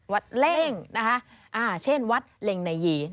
เล่งนะคะเช่นวัดเล็งนายี